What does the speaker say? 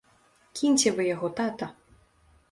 Кіньце вы яго, тата!